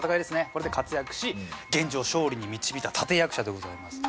これで活躍し源氏を勝利に導いた立役者でございます。